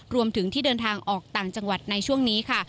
รวมถึงที่เดินทางออกต่างจังหวัดในช่วงนี้ค่ะ